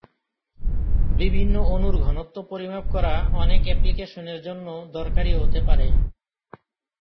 বিভিন্ন অণুর ঘনত্ব পরিমাপ করা অনেক অ্যাপ্লিকেশনের জন্য দরকারী হতে পারে।